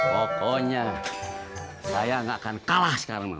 pokoknya saya nggak akan kalah sekarang